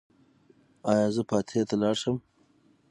ایا زه فاتحې ته لاړ شم؟